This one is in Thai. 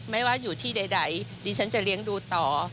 ไม่ว่าอยู่ที่ใดดิฉันจะเลี้ยงดูต่อ